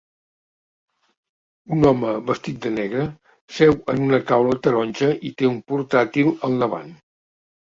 Un home vestit de negre seu en una taula taronja i té un portàtil al davant.